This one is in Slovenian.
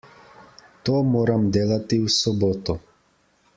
To moram delati v soboto.